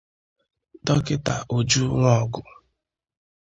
Dọkịta Uju Nwọgụ